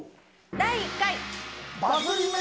第１回。